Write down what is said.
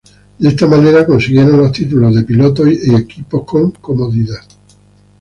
De esta manera, consiguieron los títulos de pilotos y equipos con comodidad.